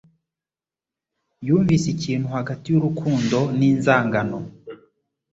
Yumvise ikintu hagati yurukundo ninzangano.